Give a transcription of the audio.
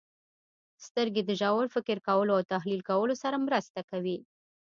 • سترګې د ژور فکر کولو او تحلیل کولو سره مرسته کوي.